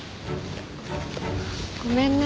ごめんね。